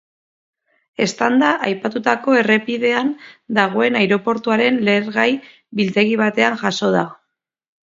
Eztanda aipatutako errepidean dagoen aireportuaren lehergai biltegi batean jazo da.